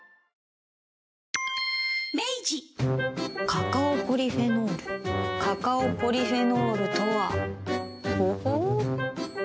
カカオポリフェノールカカオポリフェノールとはほほう。